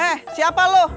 eh siapa lo